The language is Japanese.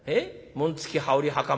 紋付き羽織袴？